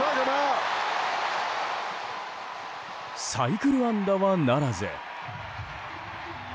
サイクル安打はならず。